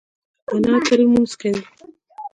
انا تل لمونځ کوي